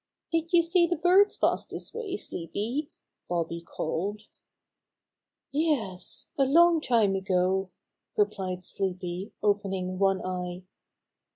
"Did you see the birds pass this way, Sleepy?" Bobby called. "Yes, a long time ago!" replied Sleepy, opening one eye.